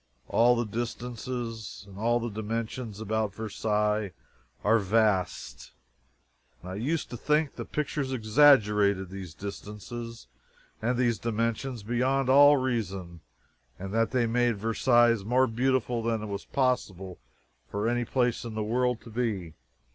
All the distances and all the dimensions about Versailles are vast. I used to think the pictures exaggerated these distances and these dimensions beyond all reason, and that they made Versailles more beautiful than it was possible for any place in the world to be.